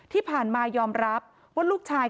ที่ผ่านมายอมรับว่าลูกชาย